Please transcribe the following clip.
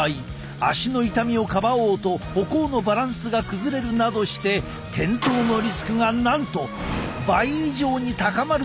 足の痛みをかばおうと歩行のバランスが崩れるなどして転倒のリスクがなんと倍以上に高まるという研究もあるのだ。